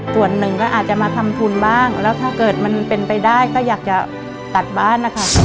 ส่วนหนึ่งก็อาจจะมาทำทุนบ้างแล้วถ้าเกิดมันเป็นไปได้ก็อยากจะตัดบ้านนะคะ